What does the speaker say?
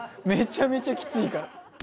めちゃめちゃキツイから。